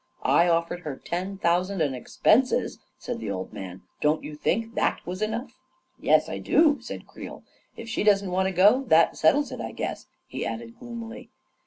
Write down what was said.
" I offered her ten thousand and expenses," said the old man. " Don't you think that was enough? "" Yes, I do," said Creel. 4< If she doesn't want to go, that settles it, I guess," he added gloomily.